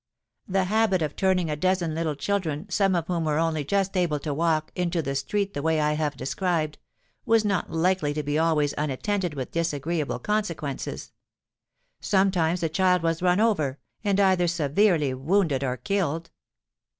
"The habit of turning a dozen little children, some of whom were only just able to walk, into the street in the way I have described, was not likely to be always unattended with disagreeable consequences. Sometimes a child was run over, and either severely wounded or killed.